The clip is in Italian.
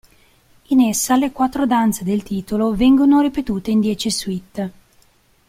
In essa le quattro danze del titolo vengono ripetute in dieci suite.